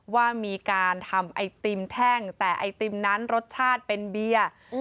ว่ามีการทำไอติมแท่งแต่ไอติมนั้นรสชาติเป็นเบียร์